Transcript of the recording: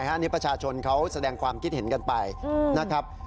อันนี้ประชาชนเขาแสดงความคิดเห็นกันไปนะครับ